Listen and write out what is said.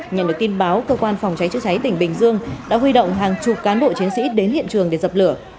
nhận được tin báo cơ quan phòng cháy chữa cháy tỉnh bình dương đã huy động hàng chục cán bộ chiến sĩ đến hiện trường để dập lửa